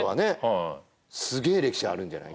はいすげえ歴史あるんじゃない？